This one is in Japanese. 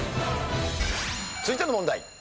続いての問題。